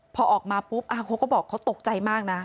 พอออกมาปุ๊บเขาก็บอกเขาตกใจมากนะ